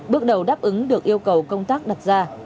bước đầu đáp ứng được yêu cầu công tác đặt ra